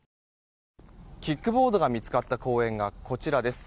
キックボードが見つかった公園が、こちらです。